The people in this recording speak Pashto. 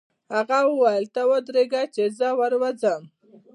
هغه وویل: ته ودرېږه چې زه ور ووځم.